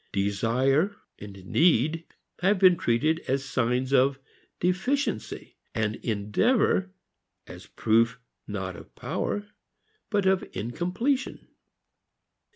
Desire and need have been treated as signs of deficiency, and endeavor as proof not of power but of incompletion.